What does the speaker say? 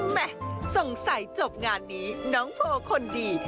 แม่สงสัยจบงานนี้น้องโภคคลดี